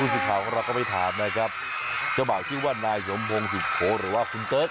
สื่อข่าวของเราก็ไปถามนะครับเจ้าบ่าวชื่อว่านายสมพงศ์สุโขหรือว่าคุณเติร์ท